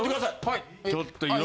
はい。